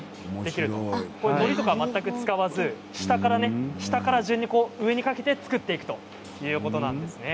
のりとかは全く使わず下から上にかけて順に作っていくということなんですね。